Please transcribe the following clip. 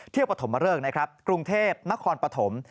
ปฐมเริกนะครับกรุงเทพนครปฐม